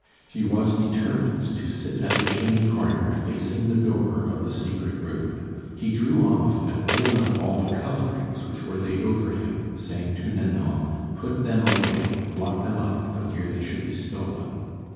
He was determined to sit at the chimney corner facing the door of the secret room. He drew off and rolled up all the coverings which were laid over him, saying to Nanon, "Put them away, lock them up, for fear they should be stolen."